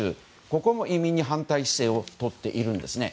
ここも移民に反対姿勢をとっているんですね。